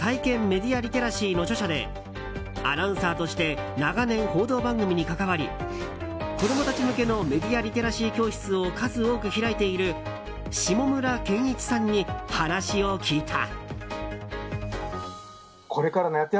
メディアリテラシー」の著者でアナウンサーとして長年、報道番組に関わり子供たち向けのメディアリテラシー教室を数多く開いている下村健一さんに話を聞いた。